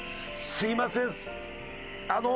すいませんあの。